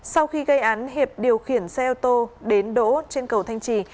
sau khi gây án hiệp điều khiển xe ô tô đến đỗ trên cầu thanh trì